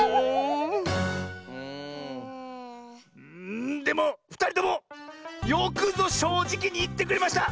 んでもふたりともよくぞしょうじきにいってくれました！